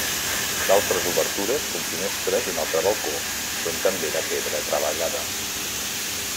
D'altres obertures com finestres i un altre balcó són també de pedra treballada.